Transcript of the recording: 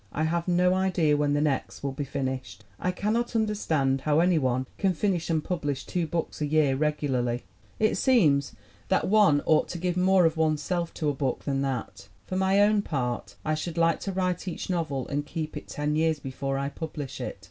I have no idea when the next will be finished. I cannot under stand how any one can finish and publish two books a year regularly. It seems that one ought to give 34 THE WOMEN WHO MAKE OUR NOVELS more of one's self to a book than that. For my own part, I should like to write each novel and keep it ten years before I publish it.